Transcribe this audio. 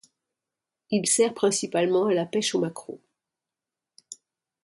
Il sert principalement à la pêche au maquereau.